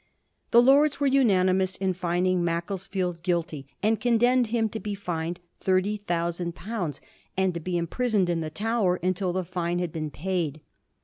The Lords were unanimous in finding Macclesfield guilty, and condemned him to be fined thirty thousand pounds, and to be imprisoned in the Tower until the fine had been paid.